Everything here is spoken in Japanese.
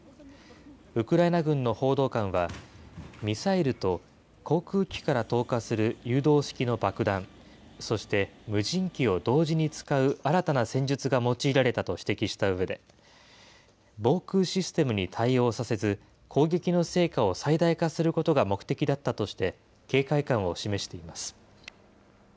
ウクライナ軍の報道官は、ミサイルと航空機から投下する誘導式の爆弾、そして無人機を同時に使う新たな戦術が用いられたと指摘したうえで、防空システムに対応させず、攻撃の成果を最大化することが目的だったとして、警戒感を示しています。